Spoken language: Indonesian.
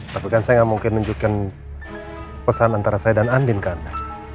tapi kan saya nggak mungkin nunjukkan pesan antara saya dan andin ke anda